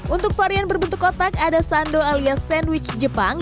untuk varian berbentuk kotak ada sando alias sandwich jepang